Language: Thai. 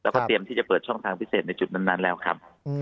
แล้วก็เตรียมที่จะเปิดช่องทางพิเศษในจุดนั้นแล้วครับ